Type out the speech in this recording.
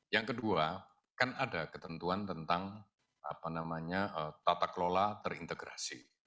yang kedua kan ada ketentuan tentang tata kelola terintegrasi